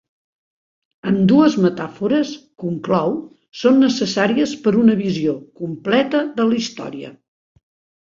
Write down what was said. Ambdues metàfores, conclou, són necessàries per a una visió completa de la història.